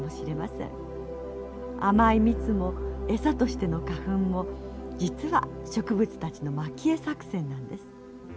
甘い蜜も餌としての花粉も実は植物たちのまき餌作戦なんです。